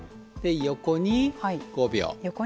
横に５秒。